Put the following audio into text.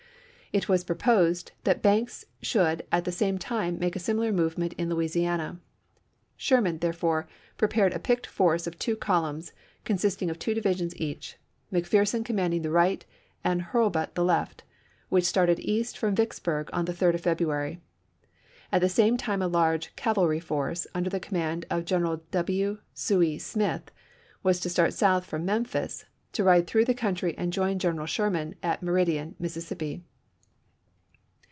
It was proposed that Banks should at the same time make a similar movement in Louisiana. Sherman, therefore, prepared a picked force of two columns, consisting of two divisions each, McPher son commanding the right and Hui lbut the left, which started east from Vicksburg on the 3d of 1864. February. At the same time a large cavalry force under the command of General W. Sooy Smith was to start south from Memphis, to ride through the country and join General Sherman at Meridian, Mississippi.